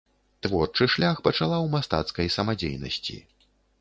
Творчы шлях пачала ў мастацкай самадзейнасці.